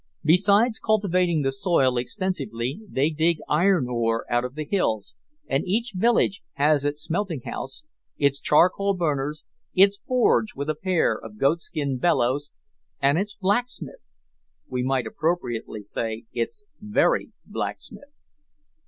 Besides cultivating the soil extensively, they dig iron ore out of the hills, and each village has its smelting house, its charcoal burners, its forge with a pair of goatskin bellows, and its blacksmith we might appropriately say, its very blacksmith!